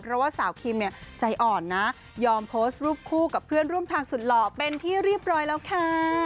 เพราะว่าสาวคิมเนี่ยใจอ่อนนะยอมโพสต์รูปคู่กับเพื่อนร่วมทางสุดหล่อเป็นที่เรียบร้อยแล้วค่ะ